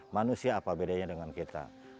manusia apa bedanya dengan kita